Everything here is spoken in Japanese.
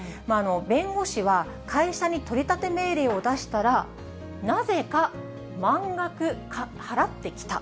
弁護士は会社に取り立て命令を出したら、なぜか、満額払ってきた。